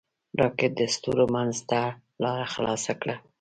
راکټ د ستورو منځ ته لاره خلاصه کړه